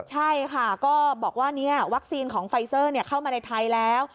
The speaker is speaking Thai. ใช่ค่ะก็บอกว่าวัคซีนของไฟเซอร์เข้ามาในไทยแล้ว